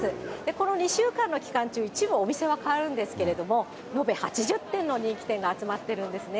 この２週間の期間中、一部お店は変わるんですけれども、延べ８０店の人気店が集まってるんですね。